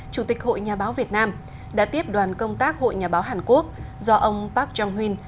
chủ tịch hội nhà báo việt nam đã tiếp đoàn công tác hội nhà báo hàn quốc do ông park jong un